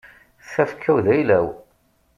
Tafekka-w d ayla-w.